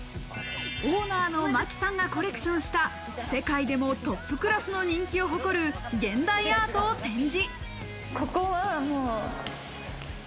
オーナーのマキさんがコレクションした、世界でもトップクラスの人気を誇る現代アートを展示。